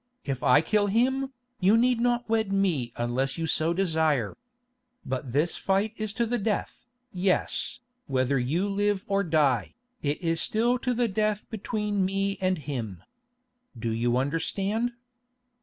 If I kill him, you need not wed me unless you so desire. But this fight is to the death, yes, whether you live or die, it is still to the death as between me and him. Do you understand?"